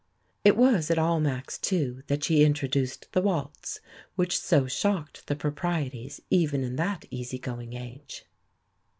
It was at Almack's, too, that she introduced the waltz, which so shocked the proprieties even in that easy going age.